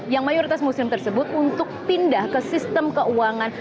yang mayoritas muslim tersebut untuk pindah ke sistem keuangan